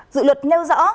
dự luật nêu rõ